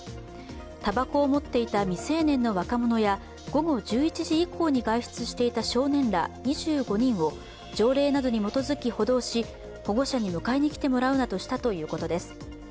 たばこを持っていた未成年の若者や午後１１時以降に外出していた少年ら２５人を条例などに基づき補導し、保護者に迎えにきてもらうなどしたということです。